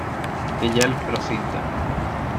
Det hjälper oss inte.